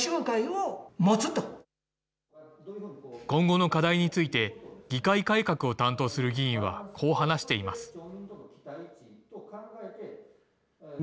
今後の課題について、議会改革を担当する議員は、こう話しています。